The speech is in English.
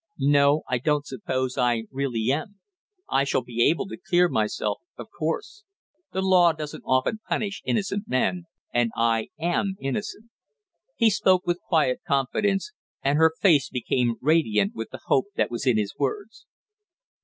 "No, I don't suppose I really am, I shall be able to clear myself, of course; the law doesn't often punish innocent men, and I am innocent." He spoke with quiet confidence, and her face became radiant with the hope that was in his words.